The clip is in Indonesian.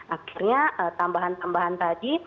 akhirnya tambahan tambahan tadi